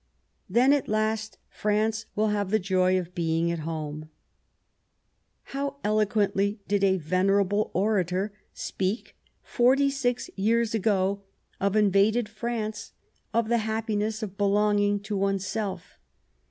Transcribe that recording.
Then, at last, France will have the joy of being at home. How eloqucntl}' did a venerable orator speak, forty six years ago, of invaded France, of the happi ness of belonging to oneself